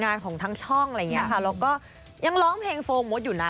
งานของทั้งช่องอะไรอย่างเงี้ยค่ะแล้วก็ยังร้องเพลงโฟมดอยู่นะ